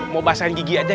mau basahin gigi aja